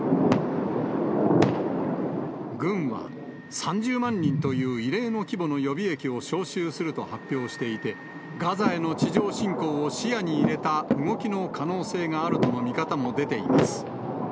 軍は３０万人という異例の規模の予備役を招集すると発表していて、ガザへの地上侵攻を視野に入れた動きの可能性があるとの見方も出ています。